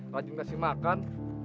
rajin kasih makan